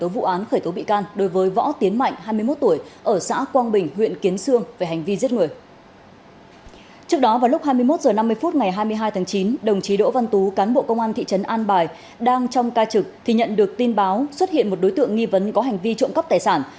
một mươi một h năm mươi phút ngày hai mươi hai tháng chín đồng chí đỗ văn tú cán bộ công an thị trấn an bài đang trong ca trực thì nhận được tin báo xuất hiện một đối tượng nghi vấn có hành vi trộm cắp tài sản